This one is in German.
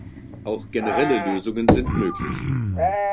Auch generelle Lösungen sind möglich.